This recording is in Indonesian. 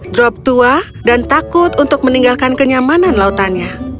drop tua dan takut untuk meninggalkan kenyamanan lautannya